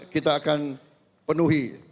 kita akan penuhi